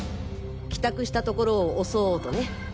帰宅したところを襲おうとね。